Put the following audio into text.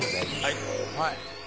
はい。